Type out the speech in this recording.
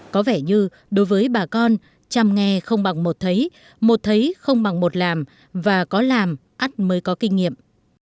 có vẻ như đối với bà con chăm nghe không bằng một thấy một thấy không bằng một làm và có làm ắt mới có kinh nghiệm